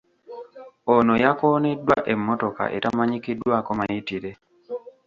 Ono yakooneddwa emmotoka etamanyikiddwako mayitire.